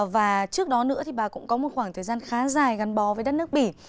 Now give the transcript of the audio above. và trước đó nữa thì bà cũng có một khoảng thời gian khá dài gắn bó với đất nước bỉ